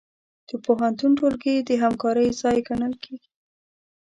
د پوهنتون ټولګي د همکارۍ ځای ګڼل کېږي.